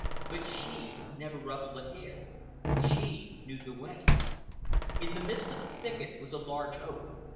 But she never ruffled a hair. She knew the way. In the midst of the thicket was a large oak.